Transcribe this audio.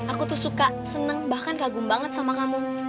aku tuh suka senang bahkan kagum banget sama kamu